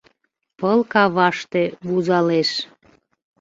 Пыл каваште вузалеш